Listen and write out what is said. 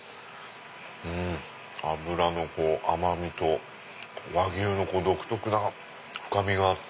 脂の甘味と和牛の独特な深みがあって。